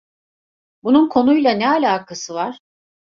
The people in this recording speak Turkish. Bunun konuyla ne alakası var?